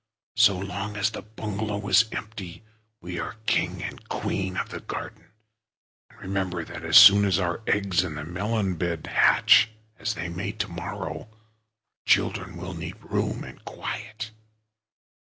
So long as the bungalow is empty, we are king and queen of the garden; and remember that as soon as our eggs in the melon bed hatch (as they may tomorrow), our children will need room and quiet."